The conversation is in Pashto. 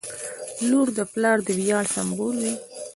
• لور د پلار د ویاړ سمبول وي.